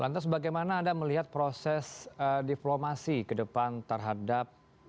lantas bagaimana anda melihat proses diplomasi ke depan terhadap